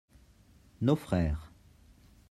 nos frères.